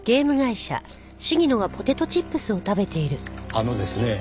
あのですね